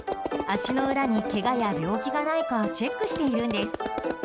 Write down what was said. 足の裏にけがや病気がないかチェックしているんです。